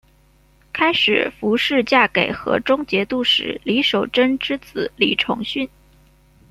开始符氏嫁给河中节度使李守贞之子李崇训。